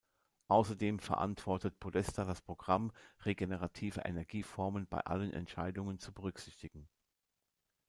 Außerdem verantwortet Podesta das Programm, regenerative Energieformen bei allen Entscheidungen zu berücksichtigen.